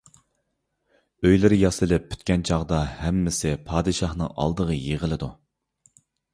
ئۆيلىرى ياسىلىپ پۈتكەن چاغدا، ھەممىسى پادىشاھنىڭ ئالدىغا يىغىلىدۇ.